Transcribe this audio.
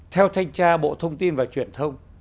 theo thanh tra bộ thông tin và truyền thông